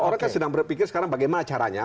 orang kan sedang berpikir sekarang bagaimana caranya